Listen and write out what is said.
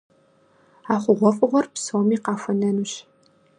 А хъугъуэфӀыгъуэр псоми къахуэнэнущ.